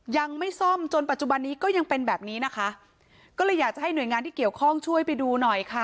ยังไม่ซ่อมจนปัจจุบันนี้ก็ยังเป็นแบบนี้นะคะก็เลยอยากจะให้หน่วยงานที่เกี่ยวข้องช่วยไปดูหน่อยค่ะ